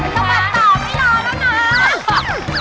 สะบัดต่อไม่รอแล้วนะ